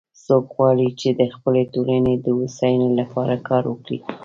څوک غواړي چې د خپلې ټولنې د هوساینی لپاره کار وکړي